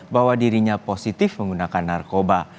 bahwa dirinya positif menggunakan narkoba